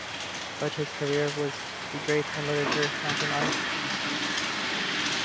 But his career was to be great in literature, not in art.